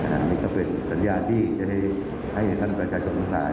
นี่ก็เป็นสัญญาณที่จะให้ท่านประชาชนภูมิสาย